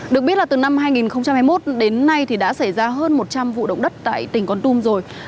được biết là từ năm hai nghìn hai mươi một đến nay thì đã xảy ra hơn một trăm linh vụ động đất tại tỉnh con tum rồi